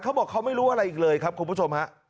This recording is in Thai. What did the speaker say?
เขาบอกเขาไม่รู้อะไรอีกเลยครับคุณผู้ชมฮะ